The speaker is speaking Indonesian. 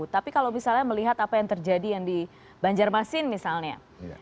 tapi kalau misalnya melihat apa yang terjadi yang di banjarmasin misalnya